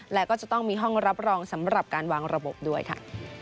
และก็จะต้องมีห้องรับรองสำหรับการวางระบบด้วยค่ะ